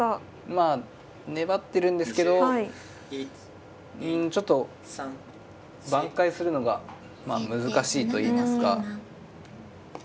まあ粘ってるんですけどうんちょっと挽回するのが難しいといいますか。